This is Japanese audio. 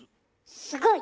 すごい！